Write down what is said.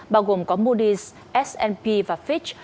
bao gồm có moody s s p và fitch